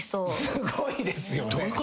すごいですよね。